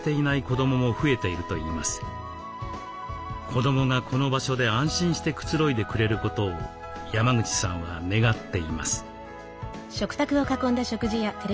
子どもがこの場所で安心してくつろいでくれることを山口さんは願っています。